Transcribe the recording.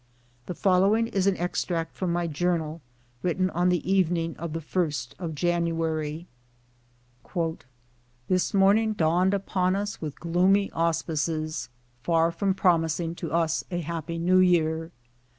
The following is an extract from my journal, written on the evening of the 1st of January. '" This morning dawned upon us with gloomy auspices, far from promising to us a happy New Year.